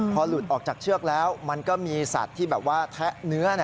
พอหลุดออกจากเชือกแล้วมันก็มีสัตว์ที่แบบว่าแทะเนื้อ